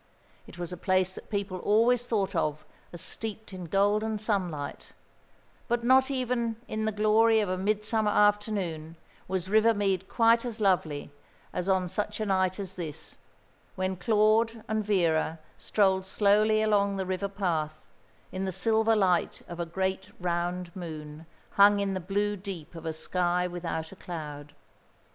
It was a place that people always thought of as steeped in golden sunlight; but not even in the glory of a midsummer afternoon was River Mead quite as lovely as on such a night as this, when Claude and Vera strolled slowly along the river path, in the silver light of a great round moon, hung in the blue deep of a sky without a cloud.